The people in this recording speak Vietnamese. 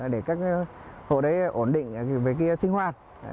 để các hộ đấy ổn định với sinh hoạt